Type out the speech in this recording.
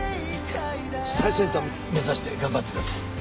最先端目指して頑張ってください。